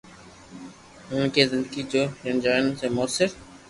انهن کي زندگي جي چئلينجن کي موثر